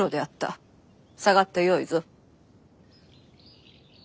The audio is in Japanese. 下がってよいぞ。